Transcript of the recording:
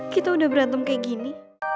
kita udah berantem kayak gini